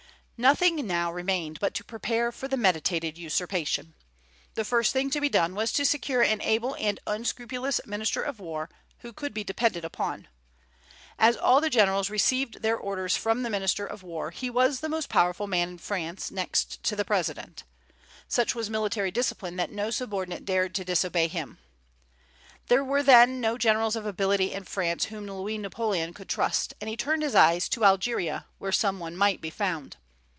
Nothing now remained but to prepare for the meditated usurpation. The first thing to be done was to secure an able and unscrupulous minister of war, who could be depended upon. As all the generals received their orders from the minister of war, he was the most powerful man in France, next to the President. Such was military discipline that no subordinate dared to disobey him. There were then no generals of ability in France whom Louis Napoleon could trust, and he turned his eyes to Algeria, where some one might be found.